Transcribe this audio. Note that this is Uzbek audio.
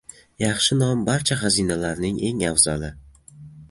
• Yaxshi nom — barcha xazinalarning eng afzali.